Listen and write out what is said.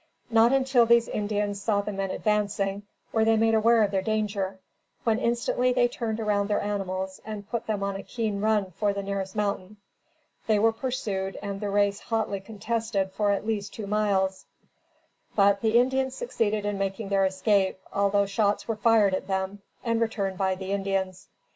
Not until these Indians saw the men advancing, were they made aware of their danger; when instantly they turned around their animals, and put them on a keen run for the nearest mountain. They were pursued and the race hotly contested for at least two miles; but, the Indians succeeded in making their escape, although shots were fired at them, and returned by the Indians.